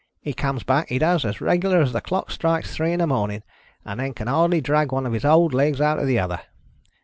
He comes back, he does, as reg'lar as the clock strikes three in the morning, and then can hardly drag one of his old legs after the other.